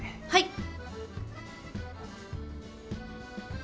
はい。